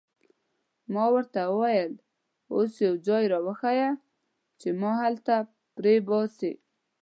ما ورته وویل: اوس یو ځای را وښیه چې ما هلته پرېباسي.